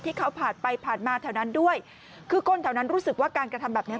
ผ่านไปผ่านมาแถวนั้นด้วยคือคนแถวนั้นรู้สึกว่าการกระทำแบบเนี้ย